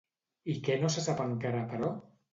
I què no se sap encara, però?